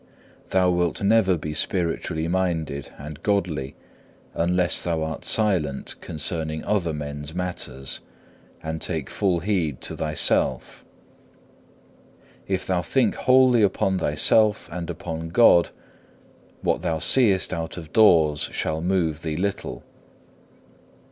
Thou wilt never be spiritually minded and godly unless thou art silent concerning other men's matters and take full heed to thyself. If thou think wholly upon thyself and upon God, what thou seest out of doors shall move thee little.